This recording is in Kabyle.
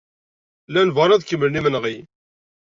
Llan bɣan ad kemmlen imenɣi.